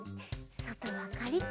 そとはカリッと。